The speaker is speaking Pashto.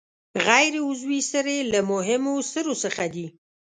غیر عضوي سرې له مهمو سرو څخه دي.